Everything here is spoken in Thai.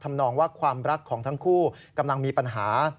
ธำนองว่ารักของทั้งคู่จะมีปัญหา